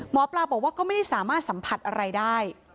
หมอปลาบอกว่าก็ไม่ได้สามารถสัมผัสอะไรได้